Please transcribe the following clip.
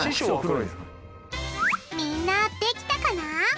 みんなできたかな？